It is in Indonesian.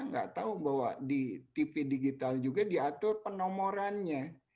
nggak tahu bahwa di tv digital juga diatur penomorannya